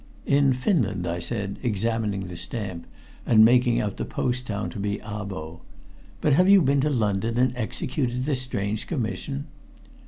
"In Finland," I said, examining the stamp and making out the post town to be Abo. "But have you been to London and executed this strange commission?"